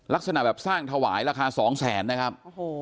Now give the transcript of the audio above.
ลักษณะแบบสร้างถวายราคา๒แสนนะครับ